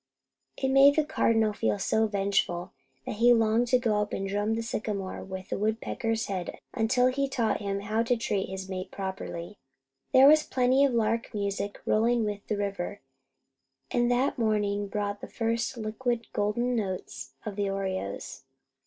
It made the Cardinal feel so vengeful that he longed to go up and drum the sycamore with the woodpecker's head until he taught him how to treat his mate properly. There was plently of lark music rolling with the river, and that morning brought the first liquid golden notes of the orioles.